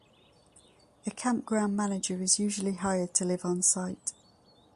A campground manager is usually hired to live on site.